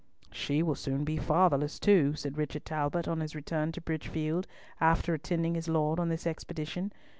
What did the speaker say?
"She will soon be fatherless, too," said Richard Talbot on his return to Bridgefield, after attending his lord on this expedition.